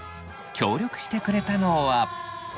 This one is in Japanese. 協力してくれたのは。